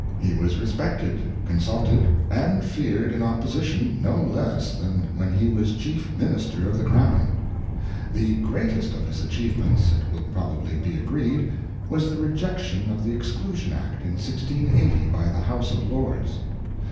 He was respected, consulted, and feared in opposition no less than when he was chief Minister of the Crown. The greatest of his achievements, it will probably be agreed, was the rejec tion of the Exclusion Bill in 1680 by the House of Lords.